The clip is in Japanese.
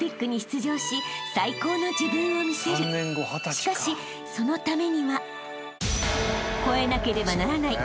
［しかしそのためには］